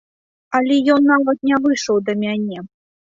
Але ён нават не выйшаў да мяне.